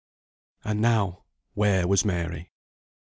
And now, where was Mary?